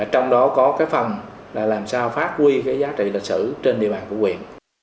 trong đó có cái phần là làm sao phát huy cái giá trị lịch sử trên địa bàn của quyền